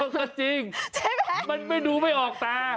มันไม่ดูไม่ออกตา